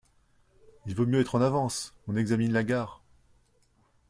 Il vaut mieux être en avance !… on examine la gare !